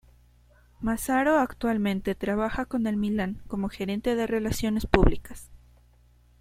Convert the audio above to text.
Massaro actualmente trabaja con el Milan como gerente de relaciones públicas.